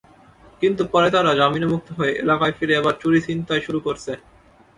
কিন্তু পরে তারা জামিনে মুক্ত হয়ে এলাকায় ফিরে আবার চুরি-ছিনতাই শুরু করছে।